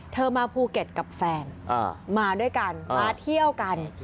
มาภูเก็ตกับแฟนมาด้วยกันมาเที่ยวกัน